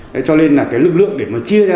đấy cho lên là cái lực lượng để mà chia ra